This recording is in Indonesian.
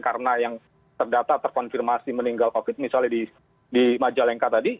karena yang terdata terkonfirmasi meninggal covid misalnya di majalengka tadi